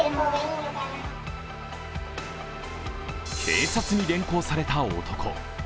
警察に連行された男。